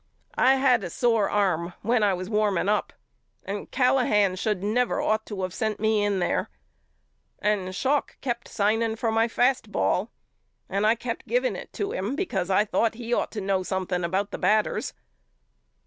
I had a sore arm when I was warming up and Callahan should never ought to of sent me in there. And Schalk kept signing for my fast ball and I kept giving it to him because I thought he ought to know something about the batters.